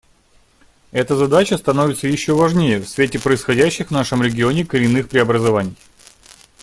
Эта задача становится еще важнее в свете происходящих в нашем регионе коренных преобразований.